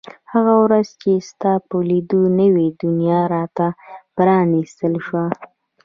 هغه ورځ چې ستا په لیدو نوې دنیا را ته پرانیستل شوه.